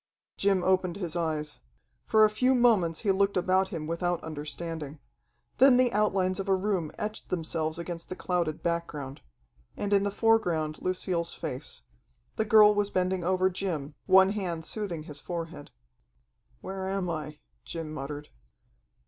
Jim opened his eyes. For a few moments he looked about him without understanding. Then the outlines of a room etched themselves against the clouded background. And in the foreground Lucille's face. The girl was bending over Jim, one hand soothing his forehead. "Where am I?" Jim muttered.